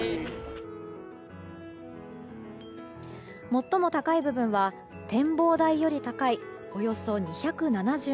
最も高い部分は展望台より高いおよそ２７０ｍ。